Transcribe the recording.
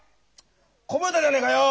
こぼれたじゃねえかよ。